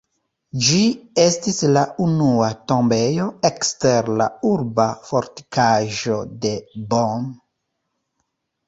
Ĝi estis la unua tombejo ekster la urba fortikaĵo de Bonn.